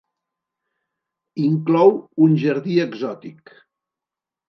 Inclou un jardí exòtic.